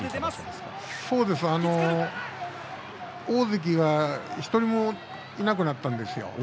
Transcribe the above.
大関が１人もいなくなったんですよ。